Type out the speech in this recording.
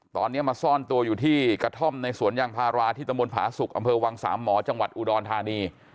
ตอนนี้มาซ่อนตัวอยู่ที่กระท่อมในสวนยางพาราที่ตะมนตผาสุกอำเภอวังสามหมอจังหวัดอุดรธานี